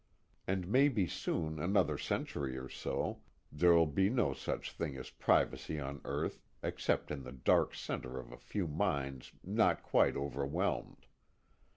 And maybe soon, another century or so, there'll be no such thing as privacy on earth except in the dark center of a few minds not quite overwhelmed.